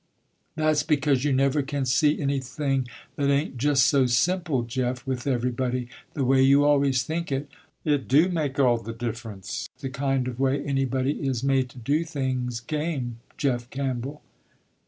"That's because you never can see anything that ain't just so simple, Jeff, with everybody, the way you always think it. It do make all the difference the kind of way anybody is made to do things game Jeff Campbell."